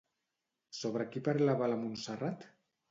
Sobre qui parlava la Montserrat?